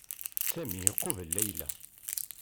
Sami iqubel Layla.